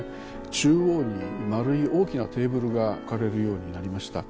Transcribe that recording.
中央に丸い大きなテーブルが置かれるようになりました。